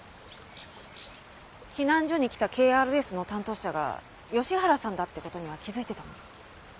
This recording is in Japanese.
避難所に来たＫＲＳの担当者が吉原さんだって事には気づいてたの？